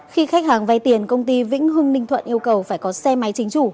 khi khách hàng vay tiền công ty vĩnh hưng ninh thuận yêu cầu phải có xe máy chính chủ